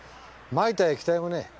撒いた液体もね